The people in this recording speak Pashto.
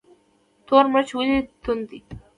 تور مرچ ولې توند دي؟